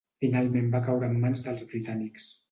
Finalment va caure en mans dels britànics.